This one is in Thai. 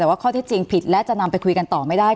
แต่ว่าข้อที่จริงผิดและจะนำไปคุยกันต่อไม่ได้